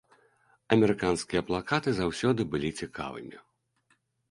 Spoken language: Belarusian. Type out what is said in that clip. Амерыканскія плакаты заўсёды былі цікавымі.